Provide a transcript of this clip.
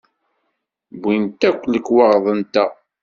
Wwint akk lekwaɣeḍ-nteɣ.